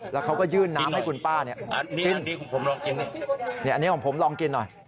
แล้วเขาก็ยื่นน้ำให้คุณป้ากินอันนี้ของผมลองกินหน่อย